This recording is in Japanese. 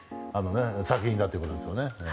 作品だということですよね。